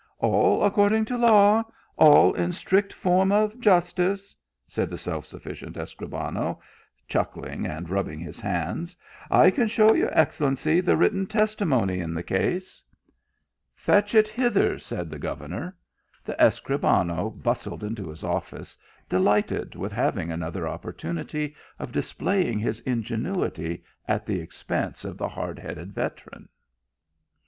"" All according to law, ail in strict form of jus tice," said the self sufficient Escribano, chuckling and rubbing his hands. " I can show your excel lency the written testimony in the case." " Fetch it hither," said the governor. The Escribano bustled into his office, delighted with having another opportunity of displaying his ingenuity at the expense of the hard headed veteran.